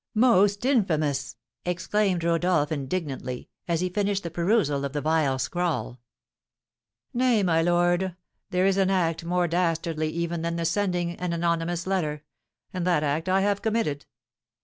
"Most infamous!" exclaimed Rodolph, indignantly, as he finished the perusal of the vile scrawl. "Nay, my lord, there is an act more dastardly even than the sending an anonymous letter; and that act I have committed."